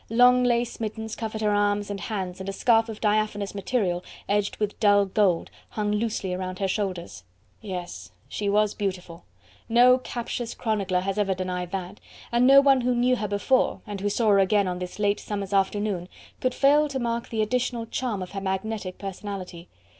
Long lace mittens covered her arms and hands and a scarf of diaphanous material edged with dull gold hung loosely around her shoulders. Yes! she was beautiful! No captious chronicler has ever denied that! and no one who knew her before, and who saw her again on this late summer's afternoon, could fail to mark the additional charm of her magnetic personality.